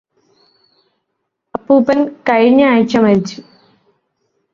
അപ്പൂപ്പന് കഴിഞ്ഞ ആഴ്ച്ച മരിച്ചു